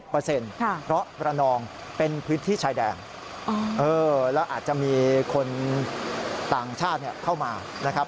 เพราะระนองเป็นพื้นที่ชายแดนแล้วอาจจะมีคนต่างชาติเข้ามานะครับ